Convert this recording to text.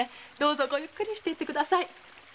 ごゆっくりして行って下さい。